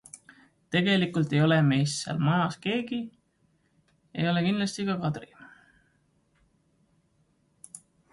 Tegelikult ei ole meist seal majas keegi, ei ole kindlasti ka Kadri.